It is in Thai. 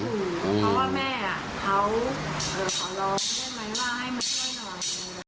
เพราะว่าแม่เขาขอร้องได้ไหมว่าให้มาช่วยหน่อย